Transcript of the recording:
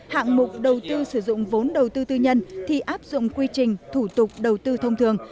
hạng mục đầu tư sử dụng vốn đầu tư tư nhân thì áp dụng quy trình thủ tục đầu tư thông thường